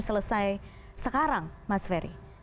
selesai sekarang mas ferry